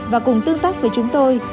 và cùng tương tác với chúng tôi